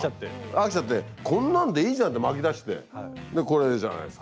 飽きちゃってこんなんでいいじゃんって巻きだしてでこれじゃないっすか。